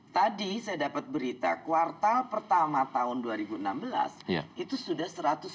tadi saya dapat berita kuartal pertama tahun dua ribu enam belas itu sudah satu ratus enam puluh